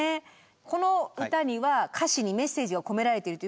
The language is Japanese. この歌には歌詞にメッセージが込められてるということで。